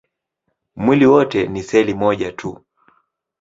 Mwili wote ni seli moja tu.